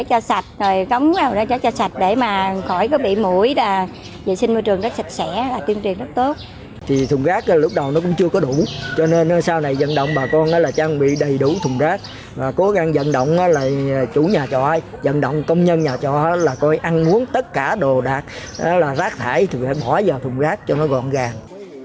thì thùng rác lúc đầu nó cũng chưa có đủ cho nên sau này dân động bà con là trang bị đầy đủ thùng rác và cố gắng dân động là chủ nhà trò dân động công nhân nhà trò là coi ăn uống tất cả đồ rác thải thì phải bỏ vào thùng rác cho nó gọn gàng